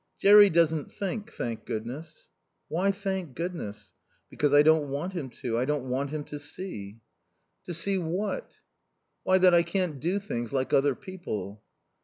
"Jerry doesn't think, thank Goodness." "Why 'thank Goodness'?" "Because I don't want him to. I don't want him to see." "To see what?" "Why, that I can't do things like other people."